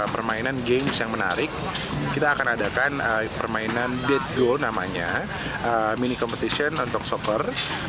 permainan games yang menarik kita akan adakan permainan dead goal namanya mini competition untuk soccer